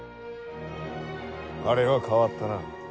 あれは変わったな。